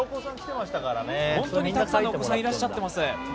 本当にたくさんのお子さんがいらっしゃっています。